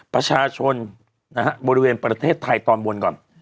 ประชาชนนะฮะบริเวณประเทศไทยตอนบนก่อน